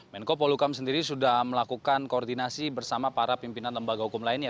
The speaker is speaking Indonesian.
menko polukam sendiri sudah melakukan koordinasi bersama para pimpinan lembaga hukum lainnya